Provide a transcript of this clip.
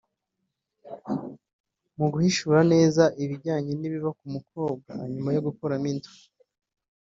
Mu guhishura neza ibijyanye n’ibiba ku mukobwa nyuma yo gukuramo inda